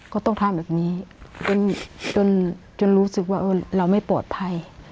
ก็ต้องทำแบบนี้จนรู้สึกว่าเราไม่ปลอดภัย